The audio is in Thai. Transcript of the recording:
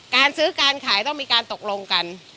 การซื้อการขายต้องมีการตกลงกัน